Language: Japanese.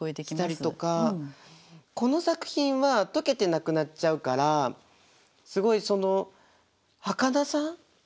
したりとかこの作品は解けてなくなっちゃうからすごいそのはかなさもあったりとか。